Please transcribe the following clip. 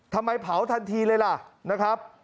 เผาทันทีเลยล่ะนะครับ